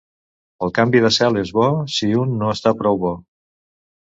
El canvi de cel és bo si un no està prou bo.